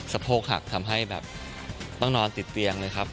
โพกหักทำให้แบบต้องนอนติดเตียงเลยครับ